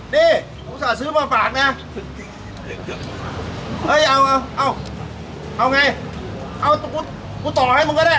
นี่สาธารณ์ซื้อมาฝากนี่เอ้ยเอาเอาเอาเอาไงเอากูกูต่อให้มึงก็ได้